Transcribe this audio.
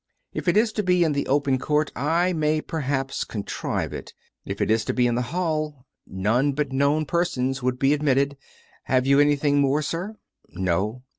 If it is to be in the open court, I may perhaps contrive it. If it is to be in the hall, none but known persons would be ad mitted. ... Have you anything more, sir ."*"" No."